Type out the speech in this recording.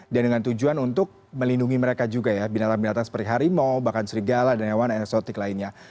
dan dengan tujuan untuk melindungi mereka juga ya binatang binatang seperti harimau bahkan serigala dan hewan eksotik lainnya